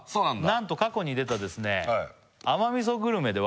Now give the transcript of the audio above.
なんと過去に出たですね